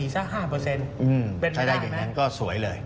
ใช้ได้อย่างนั้นก็สวยเลย